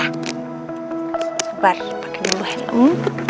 sabar pake dulu helm